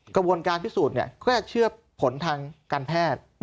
กระบวนการพิสูจน์ก็จะเชื่อผลทางการแพทย์